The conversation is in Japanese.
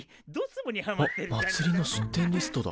おっまつりの出店リストだ。